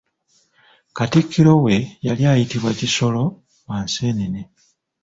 Katikkiro we yali ayitibwa Kisolo wa Nseenene.